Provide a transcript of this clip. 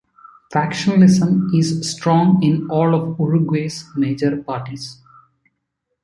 Factionalism is strong in all of Uruguay's major parties.